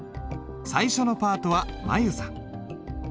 最初のパートは舞悠さん。